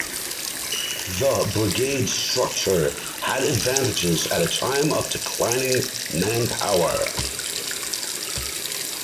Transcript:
The brigade structure had advantages at a time of declining manpower.